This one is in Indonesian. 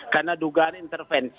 karena dugaan intervensi